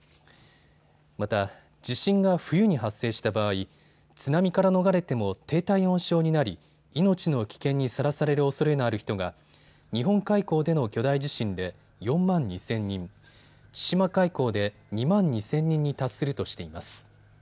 また、地震が冬に発生した場合、津波から逃れても低体温症になり命の危険にさらされるおそれのある人が日本海溝での巨大地震で４万２０００人、千島海溝で２万２０００人に達するとしています。